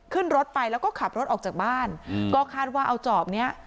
ขึ้นรถไปแล้วก็ขับรถออกจากบ้านก็คาดว่าเอาจอบเนี้ย